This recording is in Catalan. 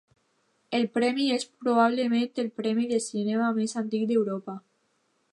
El premi és probablement el Premi de cinema més antic d'Europa.